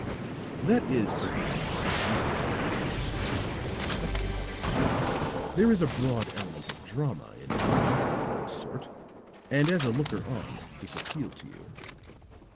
"That is, perhaps, because you held to the point of view of the spectator. There is a broad element of drama in most things of this sort, and as a looker on, this appealed to you.